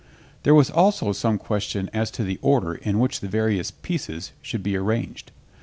There was also some question as to the order in which the various "pieces" should be arranged.